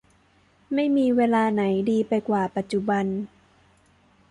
ไม่มีเวลาไหนดีไปกว่าปัจจุบัน